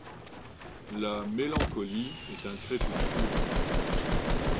La mélancolie est un crépuscule.